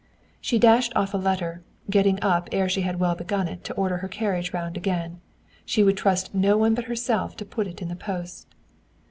She dashed off a letter, getting up ere she had well begun it, to order her carriage round again. She would trust none but herself to put it in the post.